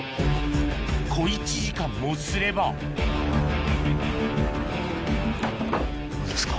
小一時間もすればどうですか？